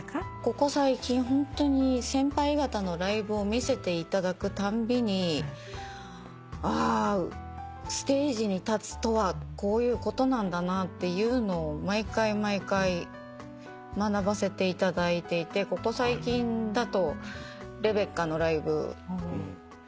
ここ最近ホントに先輩方のライブを見せていただくたんびにあステージに立つとはこういうことなんだなっていうのを毎回毎回学ばせていただいていてここ最近だとレベッカのライブ松任谷由実さん